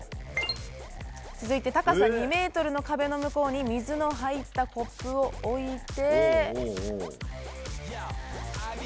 続いて、高さ２ｍの壁の向こうに水の入ったコップを置いて。